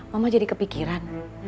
mama jadi kepikiran